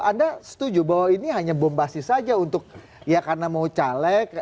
anda setuju bahwa ini hanya bombastis saja untuk ya karena mau caleg